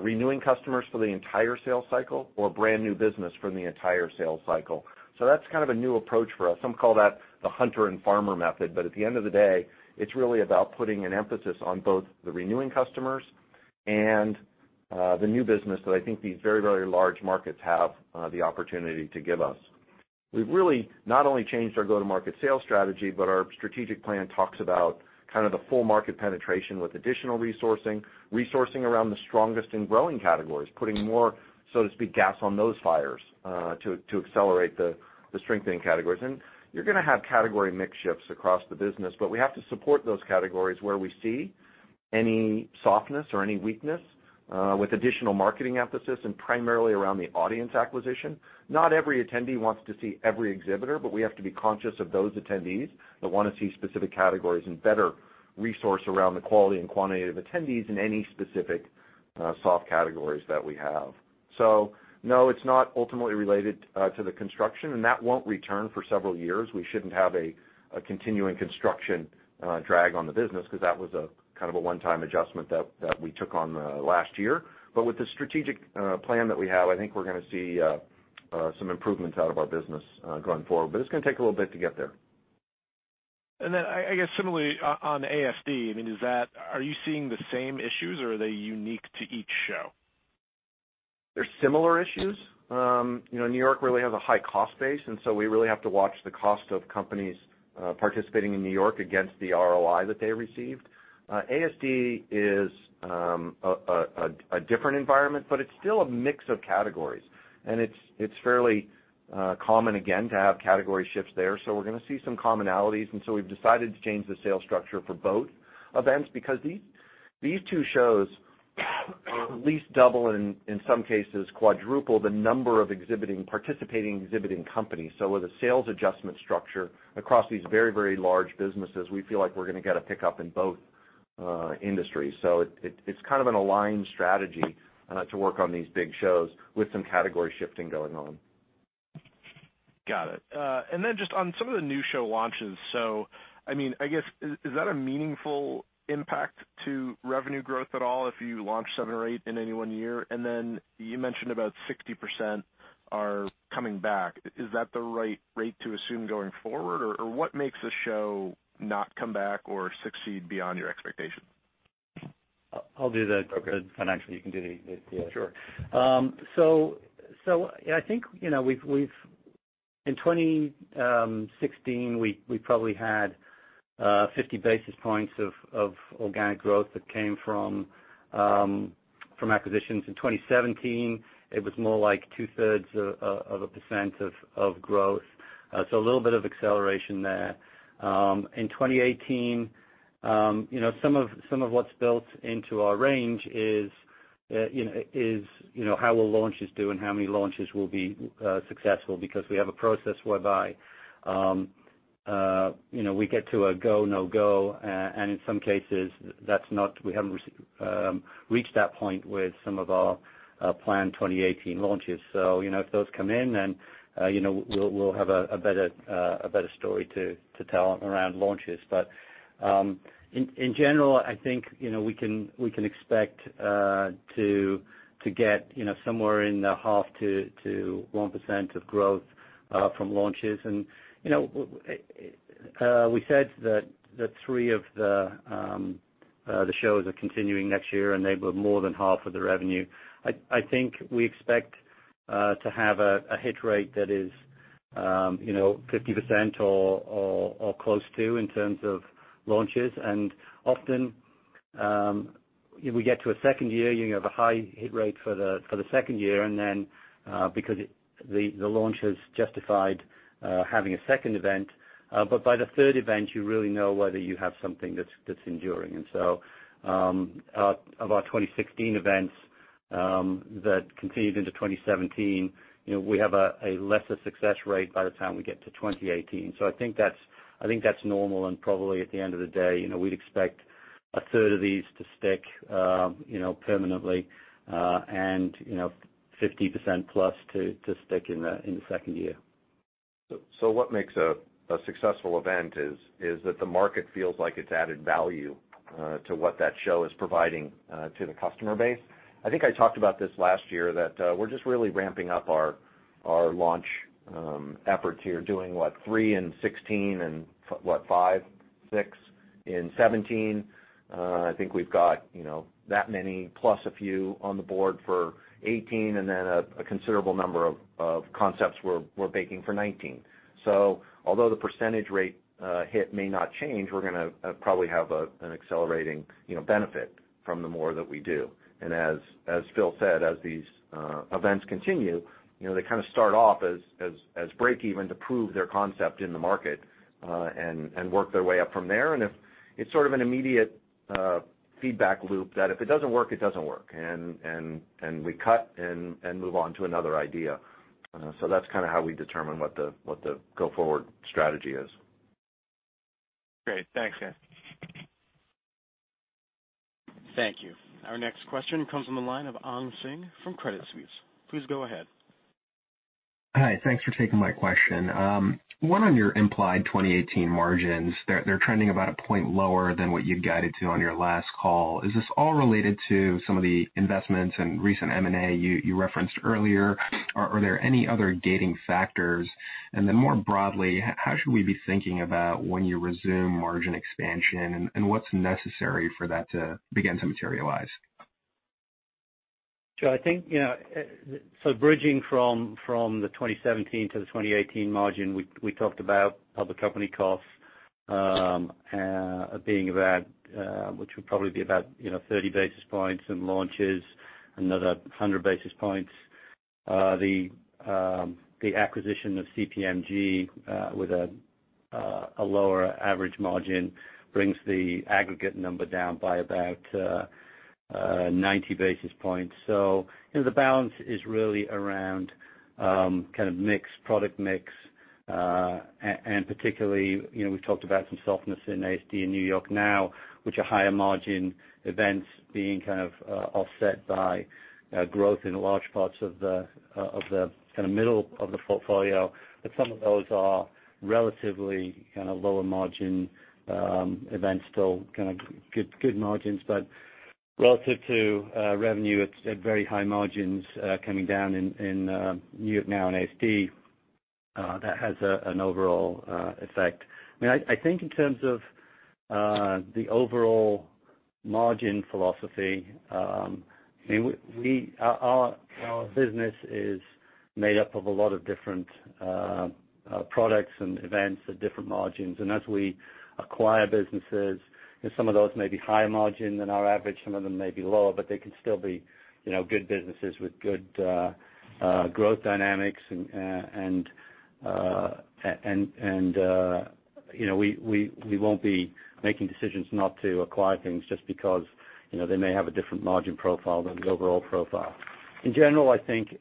renewing customers for the entire sales cycle or brand-new business from the entire sales cycle. That's kind of a new approach for us. Some call that the hunter and farmer method, but at the end of the day, it's really about putting an emphasis on both the renewing customers and the new business that I think these very large markets have the opportunity to give us. We've really not only changed our go-to-market sales strategy, but our strategic plan talks about kind of the full market penetration with additional resourcing around the strongest and growing categories, putting more, so to speak, gas on those fires to accelerate the strengthening categories. You're going to have category mix shifts across the business, but we have to support those categories where we see any softness or any weakness with additional marketing emphasis, and primarily around the audience acquisition. Not every attendee wants to see every exhibitor, but we have to be conscious of those attendees that want to see specific categories and better resource around the quality and quantity of attendees in any specific soft categories that we have. No, it's not ultimately related to the construction, and that won't return for several years. We shouldn't have a continuing construction drag on the business because that was a kind of a one-time adjustment that we took on last year. With the strategic plan that we have, I think we're going to see some improvements out of our business going forward. It's going to take a little bit to get there. Then I guess similarly on ASD, are you seeing the same issues or are they unique to each show? They're similar issues. New York really has a high cost base, we really have to watch the cost of companies participating in New York against the ROI that they received. ASD is a different environment, it's still a mix of categories, it's fairly common, again, to have category shifts there. We're going to see some commonalities, we've decided to change the sales structure for both events because these two shows at least double, in some cases quadruple, the number of participating exhibiting companies. With a sales adjustment structure across these very large businesses, we feel like we're going to get a pickup in both industries. It's kind of an aligned strategy to work on these big shows with some category shifting going on. Got it. Just on some of the new show launches. I guess, is that a meaningful impact to revenue growth at all if you launch seven or eight in any one year? You mentioned about 60% are coming back. Is that the right rate to assume going forward? What makes a show not come back or succeed beyond your expectation? I'll do the financial. You can do the- Sure. I think, in 2016, we probably had 50 basis points of organic growth that came from acquisitions. In 2017, it was more like two-thirds of a % of growth. A little bit of acceleration there. In 2018, some of what's built into our range is how will launches do and how many launches will be successful, because we have a process whereby we get to a go, no-go, and in some cases, we haven't reached that point with some of our planned 2018 launches. If those come in, then we'll have a better story to tell around launches. In general, I think, we can expect to get somewhere in the half to 1% of growth from launches. We said that three of the shows are continuing next year, they were more than half of the revenue. I think we expect to have a hit rate that is 50% or close to in terms of launches. Often, we get to a second year, you have a high hit rate for the second year, then because the launch has justified having a second event. By the third event, you really know whether you have something that's enduring. Of our 2016 events that continued into 2017, we have a lesser success rate by the time we get to 2018. I think that's normal and probably at the end of the day, we'd expect a third of these to stick permanently, and 50% plus to stick in the second year. What makes a successful event is that the market feels like it's added value to what that show is providing to the customer base. I think I talked about this last year, that we're just really ramping up our launch efforts here, doing what, three in 2016 and what, five, six in 2017? I think we've got that many plus a few on the board for 2018, then a considerable number of concepts we're baking for 2019. Although the percentage rate hit may not change, we're going to probably have an accelerating benefit from the more that we do. As Phil said, as these events continue, they kind of start off as break-even to prove their concept in the market, and work their way up from there. It's sort of an immediate feedback loop that if it doesn't work, it doesn't work. We cut and move on to another idea. That's kind of how we determine what the go-forward strategy is. Great. Thanks, guys. Thank you. Our next question comes from the line of Anjaneya Singh from Credit Suisse. Please go ahead. Hi. Thanks for taking my question. One on your implied 2018 margins. They're trending about a point lower than what you'd guided to on your last call. Is this all related to some of the investments and recent M&A you referenced earlier? Are there any other gating factors? More broadly, how should we be thinking about when you resume margin expansion, and what's necessary for that to begin to materialize? Bridging from the 2017 to the 2018 margin, we talked about public company costs which would probably be about 30 basis points, and launches, another 100 basis points. The acquisition of CPMG with a lower average margin brings the aggregate number down by about 90 basis points. The balance is really around product mix. Particularly, we've talked about some softness in ASD in NY NOW, which are higher margin events being kind of offset by growth in large parts of the middle of the portfolio. Some of those are relatively lower margin events. Still good margins, but relative to revenue at very high margins coming down in NY NOW and ASD, that has an overall effect. I think in terms of the overall margin philosophy, our business is made up of a lot of different products and events at different margins, as we acquire businesses, some of those may be higher margin than our average, some of them may be lower, but they can still be good businesses with good growth dynamics. We won't be making decisions not to acquire things just because they may have a different margin profile than the overall profile. In general, I think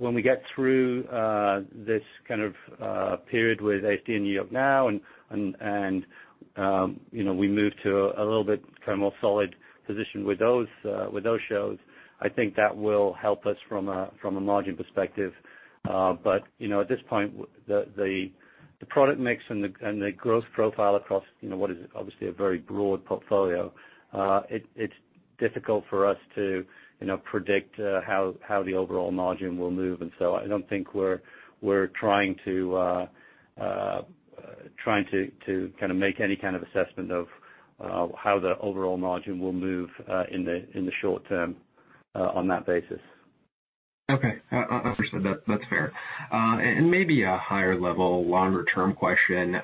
when we get through this period with ASD in NY NOW, we move to a little bit more solid position with those shows, I think that will help us from a margin perspective. At this point, the product mix and the growth profile across what is obviously a very broad portfolio, it's difficult for us to predict how the overall margin will move. I don't think we're trying to make any kind of assessment of how the overall margin will move in the short term on that basis. Okay. Understood. That's fair. Maybe a higher level, longer term question.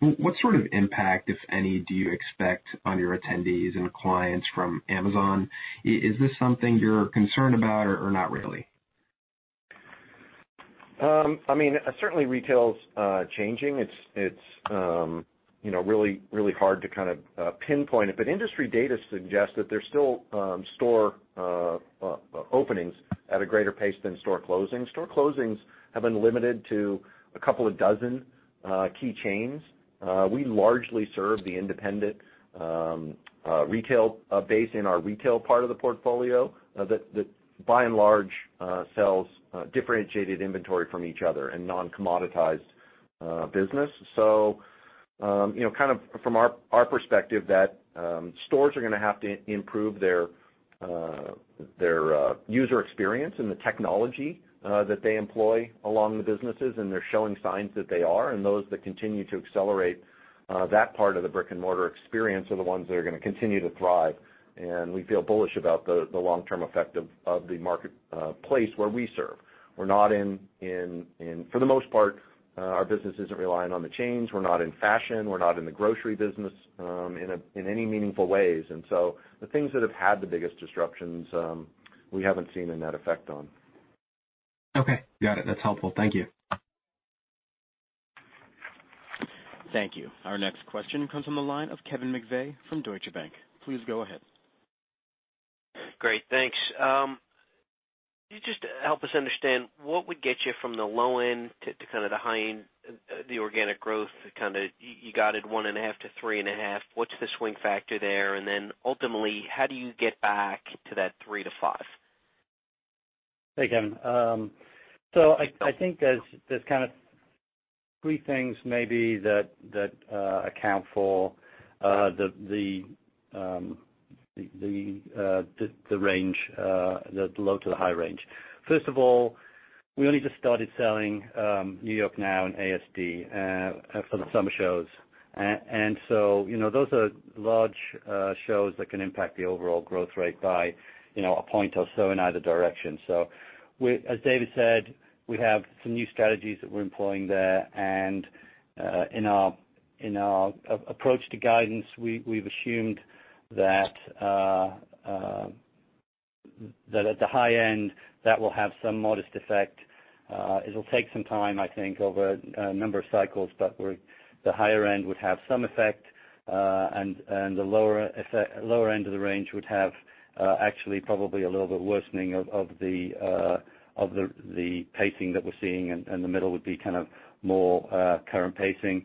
What sort of impact, if any, do you expect on your attendees and clients from Amazon? Is this something you're concerned about or not really? Certainly retail's changing. It's really hard to pinpoint it. Industry data suggests that there's still store openings at a greater pace than store closings. Store closings have been limited to a couple of dozen key chains. We largely serve the independent retail base in our retail part of the portfolio, that by and large, sells differentiated inventory from each other in non-commoditized business. From our perspective, stores are going to have to improve their user experience and the technology that they employ along the businesses, and they're showing signs that they are, and those that continue to accelerate that part of the brick-and-mortar experience are the ones that are going to continue to thrive. We feel bullish about the long-term effect of the marketplace where we serve. For the most part, our business isn't reliant on the chains. We're not in fashion, we're not in the grocery business in any meaningful ways. The things that have had the biggest disruptions, we haven't seen a net effect on. Okay. Got it. That's helpful. Thank you. Thank you. Our next question comes from the line of Kevin McVeigh from Deutsche Bank. Please go ahead. Great. Thanks. Can you just help us understand what would get you from the low end to the high end, the organic growth? You guided 1.5%-3.5%. What's the swing factor there? Ultimately, how do you get back to that 3%-5%? Hey, Kevin. I think there's three things maybe that account for the low to the high range. First of all, we only just started selling NY NOW and ASD for the summer shows. Those are large shows that can impact the overall growth rate by a point or so in either direction. As David said, we have some new strategies that we're employing there, and in our approach to guidance, we've assumed that at the high end, that will have some modest effect. It'll take some time, I think, over a number of cycles, but the higher end would have some effect. The lower end of the range would have actually probably a little bit worsening of the pacing that we're seeing, and the middle would be more current pacing.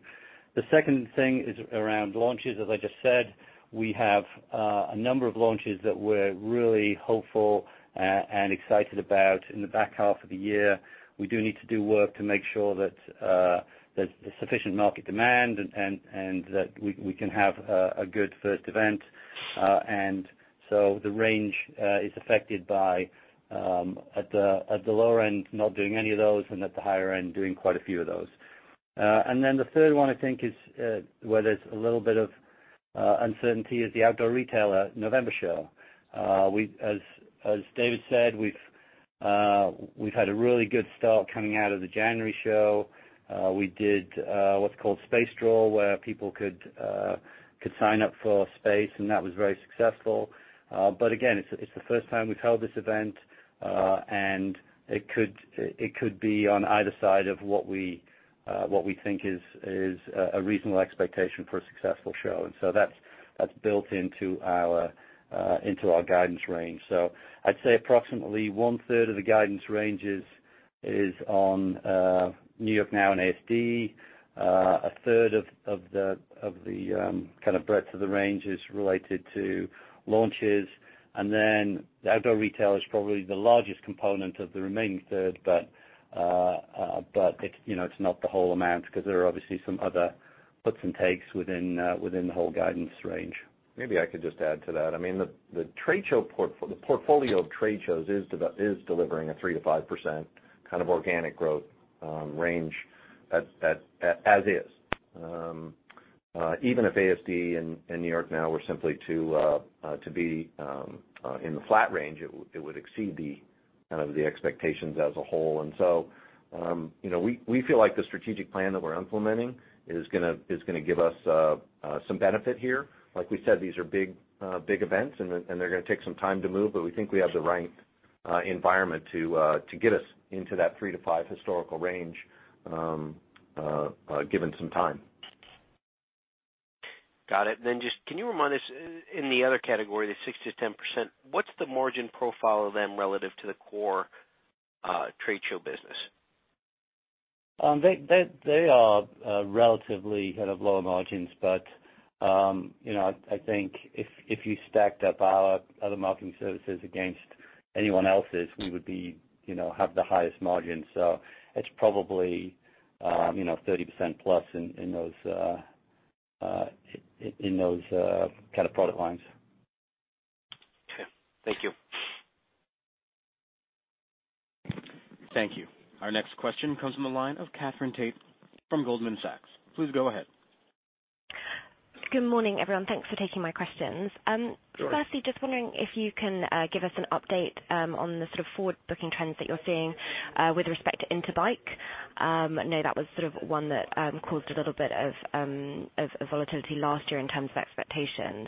The second thing is around launches. I just said, we have a number of launches that we're really hopeful and excited about in the back half of the year. We do need to do work to make sure that there's sufficient market demand, and that we can have a good first event. The range is affected by, at the lower end, not doing any of those, and at the higher end, doing quite a few of those. The third one I think is where there's a little bit of uncertainty is the Outdoor Retailer November show. As David said, we've had a really good start coming out of the January show. We did what's called space draw, where people could sign up for a space, and that was very successful. Again, it's the first time we've held this event, and it could be on either side of what we think is a reasonable expectation for a successful show. That's built into our guidance range. I'd say approximately one third of the guidance range is on New York NOW and ASD. A third of the breadth of the range is related to launches. Outdoor Retail is probably the largest component of the remaining third, but it's not the whole amount because there are obviously some other puts and takes within the whole guidance range. Maybe I could just add to that. The portfolio of trade shows is delivering a 3%-5% kind of organic growth range as is. Even if ASD and New York NOW were simply to be in the flat range, it would exceed the expectations as a whole. We feel like the strategic plan that we're implementing is going to give us some benefit here. Like we said, these are big events, and they're going to take some time to move, but we think we have the right environment to get us into that 3%-5% historical range, given some time. Got it. Just can you remind us in the other category, the 6%-10%, what's the margin profile of them relative to the core trade show business? They are relatively kind of lower margins. I think if you stacked up our other marketing services against anyone else's, we would have the highest margin. It's probably 30% plus in those kind of product lines. Okay. Thank you. Thank you. Our next question comes from the line of Katherine Tait from Goldman Sachs. Please go ahead. Good morning, everyone. Thanks for taking my questions. Sure. Firstly, just wondering if you can give us an update on the sort of forward-booking trends that you're seeing with respect to Interbike. I know that was sort of one that caused a little bit of volatility last year in terms of expectations.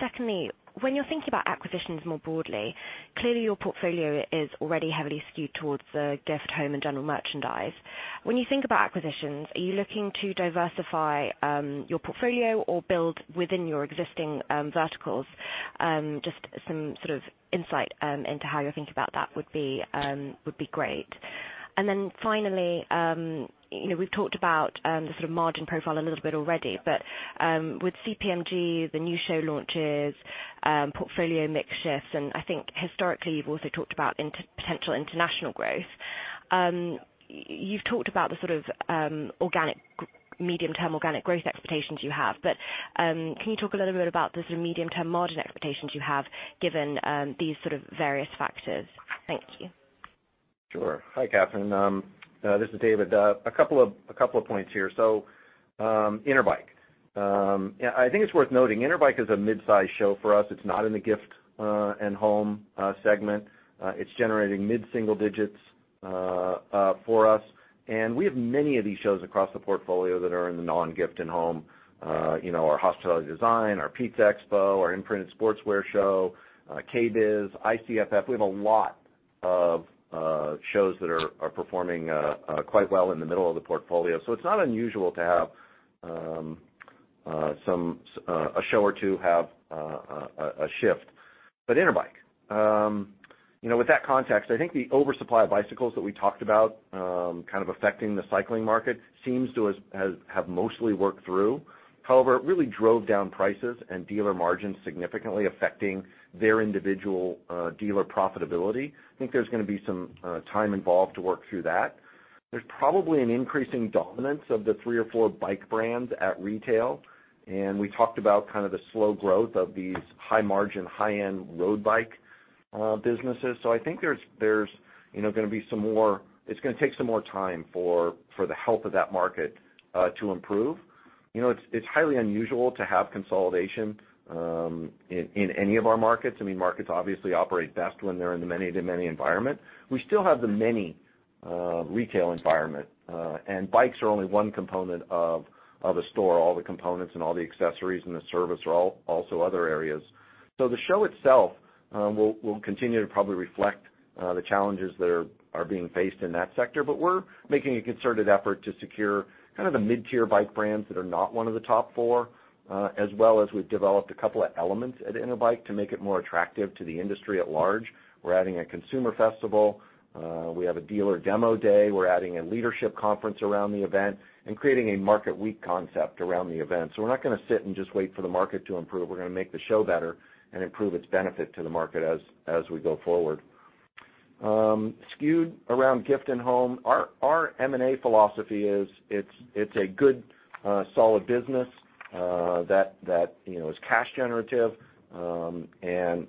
Secondly, when you're thinking about acquisitions more broadly, clearly your portfolio is already heavily skewed towards the gift, home, and general merchandise. When you think about acquisitions, are you looking to diversify your portfolio or build within your existing verticals? Just some sort of insight into how you're thinking about that would be great. Finally, we've talked about the sort of margin profile a little bit already, but with CPMG, the new show launches, portfolio mix shifts, and I think historically, you've also talked about potential international growth. You've talked about the sort of medium-term organic growth expectations you have. Can you talk a little bit about the sort of medium-term margin expectations you have given these sort of various factors? Thank you. Sure. Hi, Katherine. This is David. A couple of points here. Interbike. I think it's worth noting Interbike is a midsize show for us. It's not in the gift and home segment. It's generating mid-single digits for us, and we have many of these shows across the portfolio that are in the non-gift and home. Our Hospitality Design, our Pizza Expo, our Imprinted Sportswear show, KBIS, ICFF. We have a lot of shows that are performing quite well in the middle of the portfolio. It's not unusual to have a show or two have a shift. Interbike. With that context, I think the oversupply of bicycles that we talked about kind of affecting the cycling market seems to have mostly worked through. However, it really drove down prices and dealer margins, significantly affecting their individual dealer profitability. I think there's going to be some time involved to work through that. There's probably an increasing dominance of the three or four bike brands at retail, and we talked about kind of the slow growth of these high-margin, high-end road bike businesses. I think it's going to take some more time for the health of that market to improve. It's highly unusual to have consolidation in any of our markets. Markets obviously operate best when they're in the many-to-many environment. We still have the many Retail environment. Bikes are only one component of a store. All the components and all the accessories and the service are also other areas. The show itself will continue to probably reflect the challenges that are being faced in that sector. We're making a concerted effort to secure kind of the mid-tier bike brands that are not one of the top four, as well as we've developed a couple of elements at Interbike to make it more attractive to the industry at large. We're adding a consumer festival. We have a dealer demo day. We're adding a leadership conference around the event and creating a market week concept around the event. We're not going to sit and just wait for the market to improve. We're going to make the show better and improve its benefit to the market as we go forward. Skewed around gift and home, our M&A philosophy is, it's a good, solid business that is cash generative and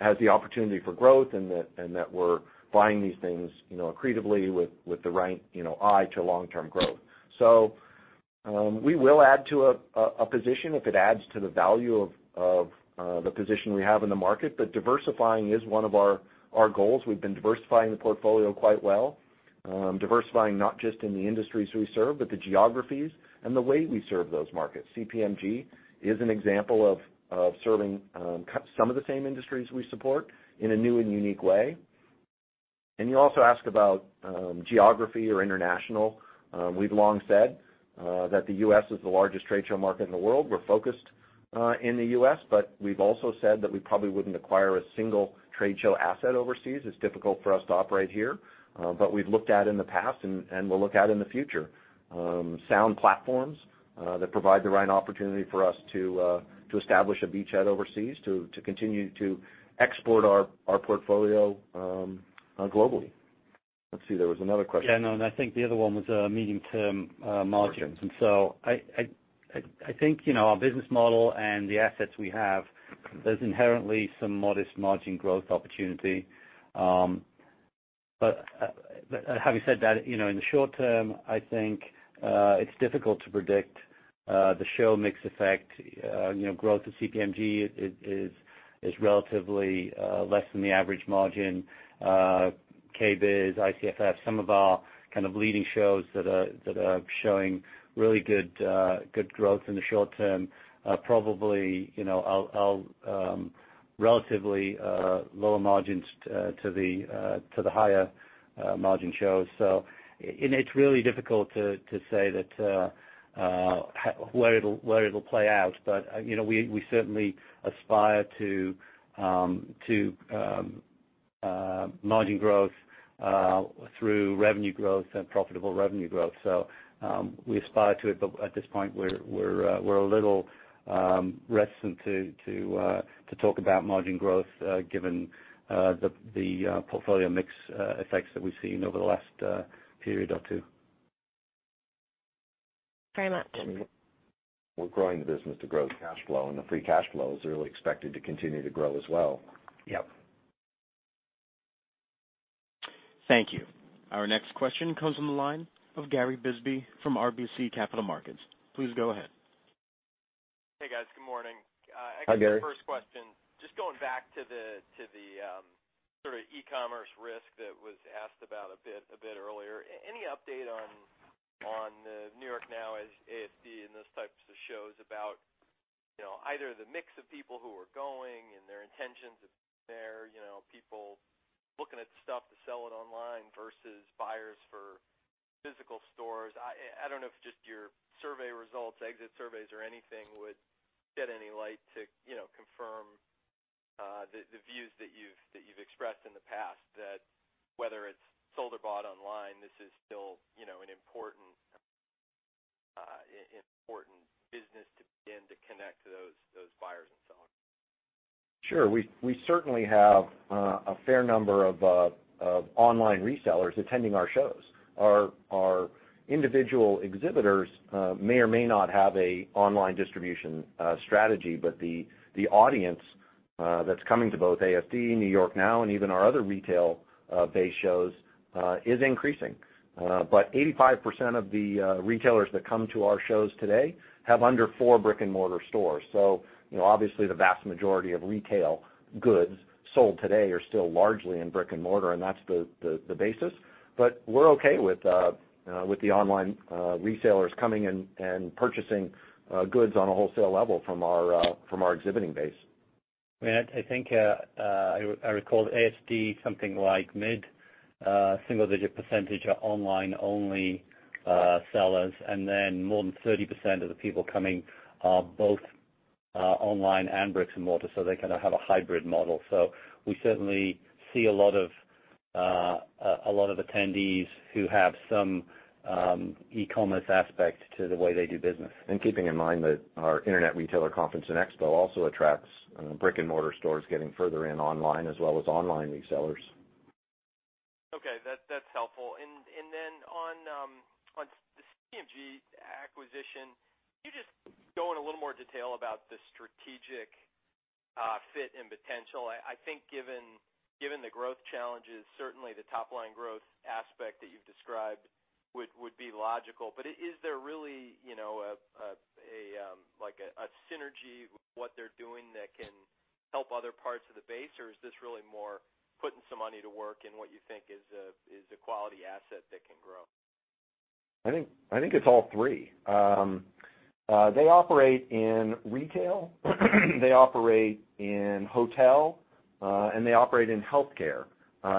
has the opportunity for growth and that we're buying these things accretively with the right eye to long-term growth. We will add to a position if it adds to the value of the position we have in the market. Diversifying is one of our goals. We've been diversifying the portfolio quite well, diversifying not just in the industries we serve, but the geographies and the way we serve those markets. CPMG is an example of serving some of the same industries we support in a new and unique way. You also asked about geography or international. We've long said that the U.S. is the largest trade show market in the world. We're focused in the U.S., but we've also said that we probably wouldn't acquire a single trade show asset overseas. It's difficult for us to operate here, but we've looked at in the past, and we'll look at in the future. Sound platforms that provide the right opportunity for us to establish a beachhead overseas to continue to export our portfolio globally. Let's see, there was another question. Yeah, no, I think the other one was medium-term margins. Margins. I think our business model and the assets we have, there's inherently some modest margin growth opportunity. Having said that, in the short term, I think, it's difficult to predict the show mix effect. Growth of CPMG is relatively less than the average margin. KBIS, ICFF, some of our kind of leading shows that are showing really good growth in the short term are relatively lower margins to the higher margin shows. It's really difficult to say where it'll play out. We certainly aspire to margin growth through revenue growth and profitable revenue growth. We aspire to it, but at this point, we're a little reticent to talk about margin growth, given the portfolio mix effects that we've seen over the last period or two. Very much. We're growing the business to grow the cash flow, and the free cash flow is really expected to continue to grow as well. Yep. Thank you. Our next question comes on the line of Gary Bisbee from RBC Capital Markets. Please go ahead. Hey, guys. Good morning. Hi, Gary. I guess the first question, just going back to the sort of e-commerce risk that was asked about a bit earlier. Any update on the NY NOW, ASD, and those types of shows about either the mix of people who are going and their intentions of being there, people looking at stuff to sell it online versus buyers for physical stores? I don't know if just your survey results, exit surveys or anything would shed any light to confirm the views that you've expressed in the past, that whether it's sold or bought online, this is still an important business to be in to connect those buyers and sellers. Sure. We certainly have a fair number of online resellers attending our shows. Our individual exhibitors may or may not have an online distribution strategy. The audience that's coming to both ASD, NY NOW, and even our other retail-based shows, is increasing. 85% of the retailers that come to our shows today have under four brick-and-mortar stores. Obviously the vast majority of retail goods sold today are still largely in brick-and-mortar, and that's the basis. We're okay with the online resellers coming in and purchasing goods on a wholesale level from our exhibiting base. I think I recall at ASD, something like mid-single-digit % are online-only sellers, more than 30% of the people coming are both online and bricks and mortar, they kind of have a hybrid model. We certainly see a lot of attendees who have some e-commerce aspect to the way they do business. Keeping in mind that our Internet Retailer conference and expo also attracts brick-and-mortar stores getting further in online as well as online resellers. Okay. That's helpful. On the CPMG acquisition, can you just go in a little more detail about the strategic fit and potential? I think given the growth challenges, certainly the top-line growth aspect that you've described would be logical. Is there really a synergy with what they're doing that can help other parts of the base? Is this really more putting some money to work in what you think is a quality asset that can grow? I think it's all three. They operate in retail, they operate in hotel, and they operate in healthcare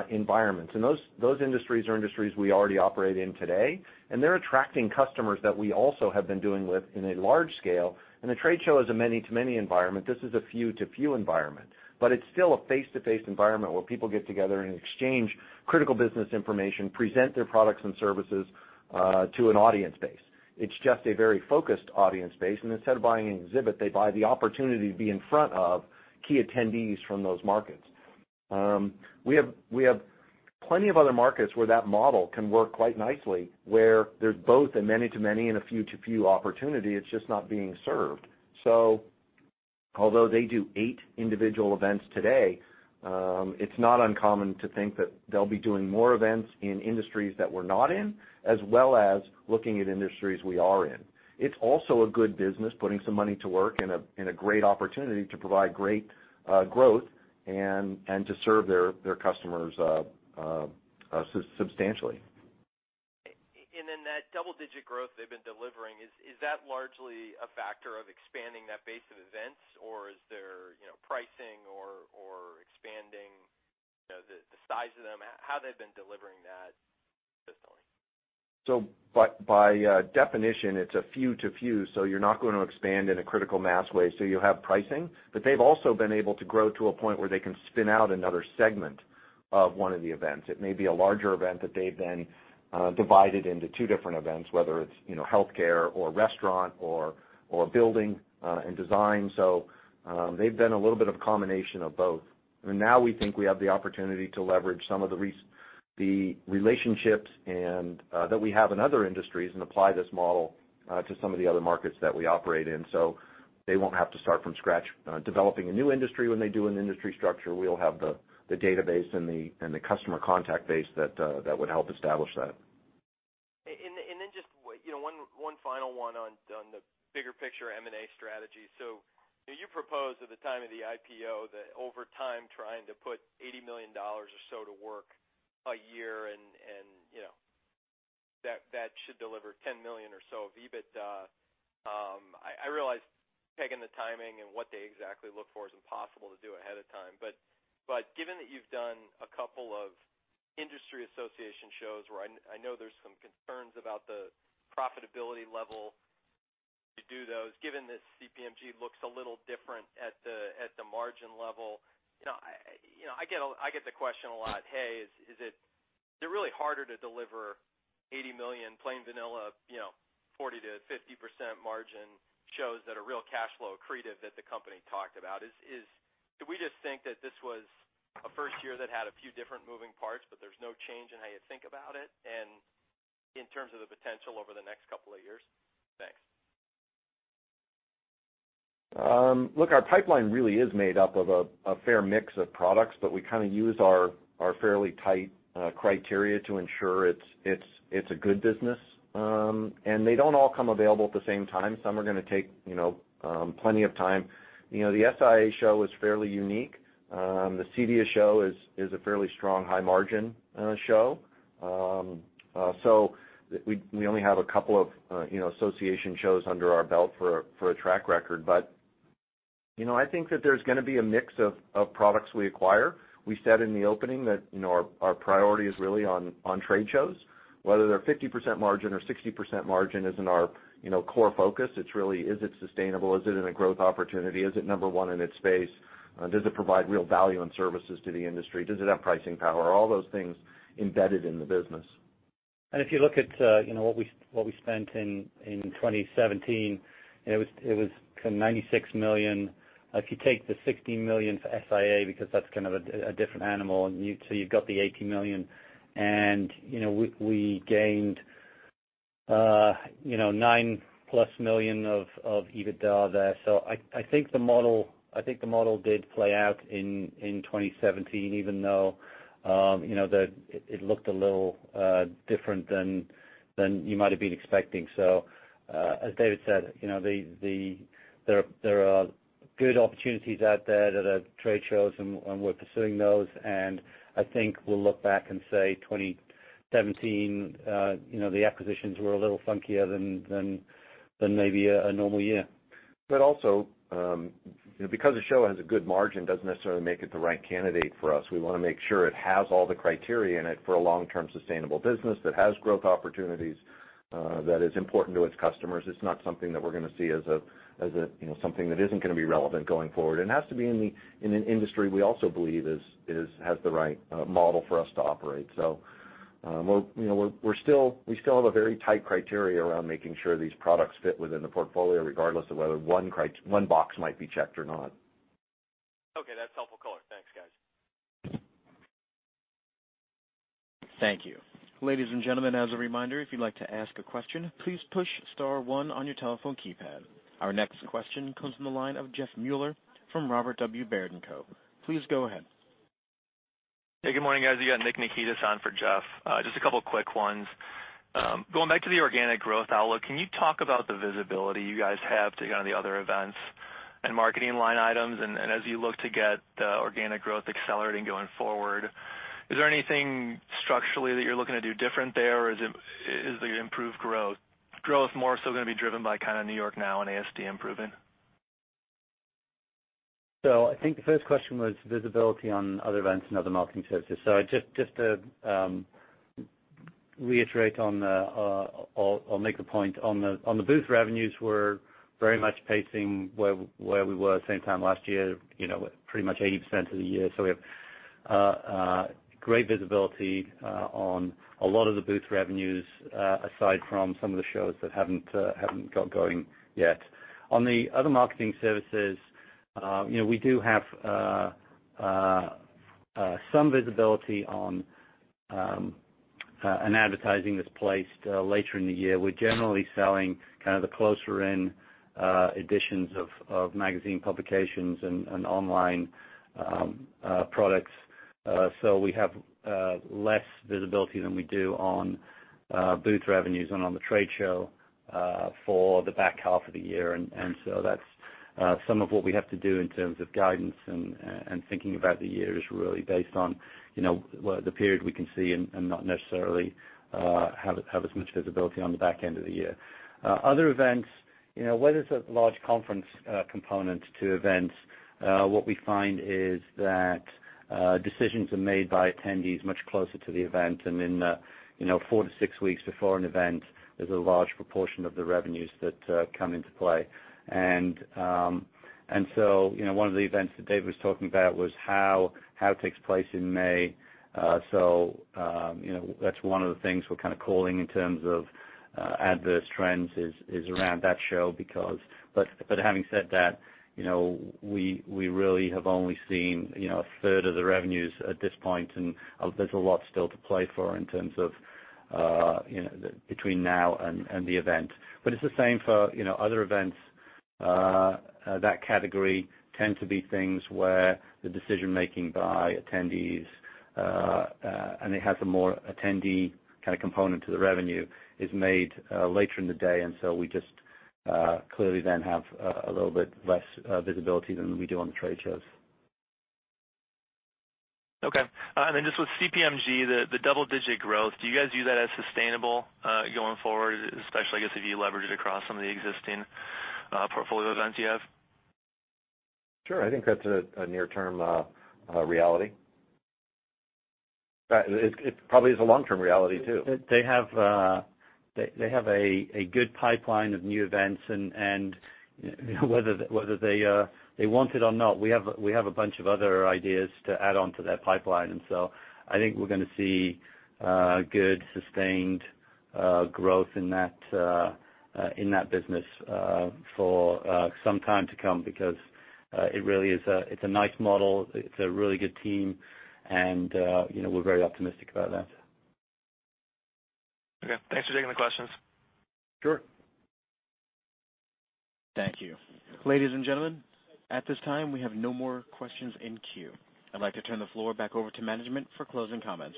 environments. Those industries are industries we already operate in today, and they're attracting customers that we also have been doing with in a large scale. The trade show is a many-to-many environment. This is a few-to-few environment. It's still a face-to-face environment where people get together and exchange critical business information, present their products and services to an audience base. It's just a very focused audience base, and instead of buying an exhibit, they buy the opportunity to be in front of key attendees from those markets. We have plenty of other markets where that model can work quite nicely, where there's both a many-to-many and a few-to-few opportunity. It's just not being served. Although they do eight individual events today, it's not uncommon to think that they'll be doing more events in industries that we're not in, as well as looking at industries we are in. It's also a good business, putting some money to work and a great opportunity to provide great growth and to serve their customers substantially. That double-digit growth they've been delivering, is that largely a factor of expanding that base of events, or is there pricing or expanding the size of them, how they've been delivering that consistently? By definition, it's a few to few, you're not going to expand in a critical mass way. You have pricing, but they've also been able to grow to a point where they can spin out another segment of one of the events. It may be a larger event that they've then divided into two different events, whether it's healthcare or restaurant or building and design. They've done a little bit of a combination of both. Now we think we have the opportunity to leverage some of the relationships that we have in other industries and apply this model to some of the other markets that we operate in. They won't have to start from scratch developing a new industry when they do an industry structure. We'll have the database and the customer contact base that would help establish that. Just one final one on the bigger picture M&A strategy. You proposed at the time of the IPO that over time, trying to put $80 million or so to work a year and that should deliver $10 million or so of EBITDA. I realize pegging the timing and what they exactly look for is impossible to do ahead of time. Given that you've done a couple of industry association shows where I know there's some concerns about the profitability level to do those, given that CPMG looks a little different at the margin level. I get the question a lot, "Hey, is it really harder to deliver $80 million plain vanilla 40%-50% margin shows that are real cash flow accretive that the company talked about?" Do we just think that this was a first year that had a few different moving parts, but there's no change in how you think about it and in terms of the potential over the next couple of years? Thanks. Look, our pipeline really is made up of a fair mix of products, but we use our fairly tight criteria to ensure it's a good business. They don't all come available at the same time. Some are going to take plenty of time. The SIA show is fairly unique. The uncertain is a fairly strong, high-margin show. We only have a couple of association shows under our belt for a track record. I think that there's going to be a mix of products we acquire. We said in the opening that our priority is really on trade shows, whether they're 50% margin or 60% margin, isn't our core focus. Is it sustainable? Is it in a growth opportunity? Is it number one in its space? Does it provide real value and services to the industry? Does it have pricing power? All those things embedded in the business. If you look at what we spent in 2017, it was $96 million. If you take the $16 million for SIA, because that's kind of a different animal, you've got the $80 million, and we gained $9-plus million of EBITDA there. I think the model did play out in 2017, even though it looked a little different than you might've been expecting. As David said, there are good opportunities out there that are trade shows, and we're pursuing those, and I think we'll look back and say 2017, the acquisitions were a little funkier than maybe a normal year. Also, because a show has a good margin, doesn't necessarily make it the right candidate for us. We want to make sure it has all the criteria in it for a long-term sustainable business that has growth opportunities, that is important to its customers. It's not something that we're going to see as something that isn't going to be relevant going forward. It has to be in an industry we also believe has the right model for us to operate. We still have a very tight criteria around making sure these products fit within the portfolio, regardless of whether one box might be checked or not. Okay, that's helpful color. Thanks, guys. Thank you. Ladies and gentlemen, as a reminder, if you'd like to ask a question, please push star one on your telephone keypad. Our next question comes from the line of Jeff Meuler from Robert W. Baird & Co. Please go ahead. Hey, good morning, guys. You got Nick Nikitas on for Jeff. Just a couple quick ones. Going back to the organic growth outlook, can you talk about the visibility you guys have to the other events and marketing line items? As you look to get the organic growth accelerating going forward, is there anything structurally that you're looking to do different there, or is the improved growth more so going to be driven by NY NOW and ASD improving? I think the first question was visibility on other events and other marketing services. Just to reiterate, I'll make a point. On the booth revenues, we're very much pacing where we were same time last year, pretty much 80% of the year. We have great visibility on a lot of the booth revenues, aside from some of the shows that haven't got going yet. On the other marketing services, we do have some visibility on advertising that's placed later in the year. We're generally selling kind of the closer-in editions of magazine publications and online products. We have less visibility than we do on booth revenues and on the trade show for the back half of the year. That's some of what we have to do in terms of guidance and thinking about the year is really based on the period we can see and not necessarily have as much visibility on the back end of the year. Other events, where there's a large conference component to events, what we find is that decisions are made by attendees much closer to the event. Four to six weeks before an event, there's a large proportion of the revenues that come into play. One of the events that Dave was talking about was how it takes place in May. That's one of the things we're kind of calling in terms of adverse trends, is around that show. Having said that, we really have only seen a third of the revenues at this point, and there's a lot still to play for in terms of between now and the event. It's the same for other events. That category tend to be things where the decision-making by attendees, and it has a more attendee kind of component to the revenue, is made later in the day, we just clearly then have a little bit less visibility than we do on the trade shows. Okay. Just with CPMG, the double-digit growth, do you guys view that as sustainable going forward, especially, I guess, if you leverage it across some of the existing portfolio events you have? Sure. I think that's a near-term reality. It probably is a long-term reality, too. They have a good pipeline of new events, and whether they want it or not, we have a bunch of other ideas to add onto their pipeline. I think we're going to see good, sustained growth in that business for some time to come because it's a nice model, it's a really good team, and we're very optimistic about that. Okay. Thanks for taking the questions. Sure. Thank you. Ladies and gentlemen, at this time, we have no more questions in queue. I'd like to turn the floor back over to management for closing comments.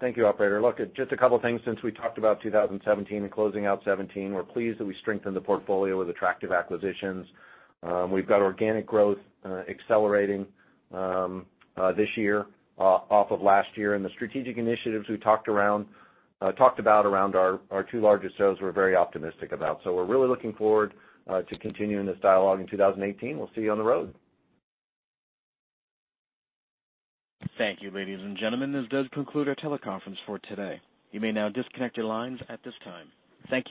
Thank you, operator. Look, just a couple of things since we talked about 2017 and closing out 2017. We're pleased that we strengthened the portfolio with attractive acquisitions. We've got organic growth accelerating this year off of last year. The strategic initiatives we talked about around our two largest shows, we're very optimistic about. We're really looking forward to continuing this dialogue in 2018. We'll see you on the road. Thank you, ladies and gentlemen. This does conclude our teleconference for today. You may now disconnect your lines at this time. Thank you.